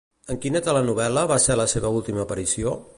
En quina telenovel·la va fer la seva última aparició?